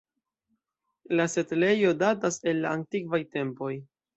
La setlejo datas el la antikvaj tempoj.